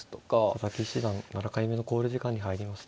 佐々木七段７回目の考慮時間に入りました。